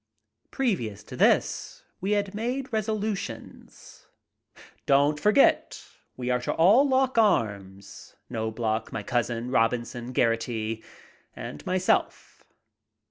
Previous to this we had made resolutions. '' Don't forget we are all to lock arms, Knobloch, my cousin, Robinson, Geraghty, and myself."